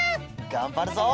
がんばるぞ！